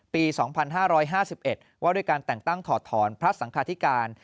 ปี๒๕๕๑ว่าด้วยการแต่งตั้งถอดถอนพระสังคาธิการ